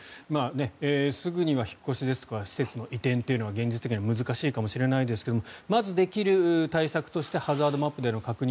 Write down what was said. すぐには引っ越しですとか施設の移転は現実的には難しいかもしれませんがまず、できる対策としてハザードマップでの確認。